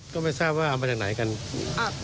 ก็ไม่ทราบว่าเอามาจากไหนกัน